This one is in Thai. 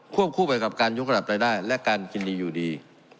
คู่ไปกับการยกระดับรายได้และการกินดีอยู่ดี